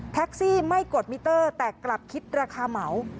แท็กซี่ไม่กดมิเตอร์แต่กลับคิดราคาเหมา